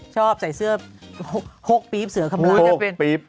ชอบใส่เสื้อหกปี๊บเสือคำร้าย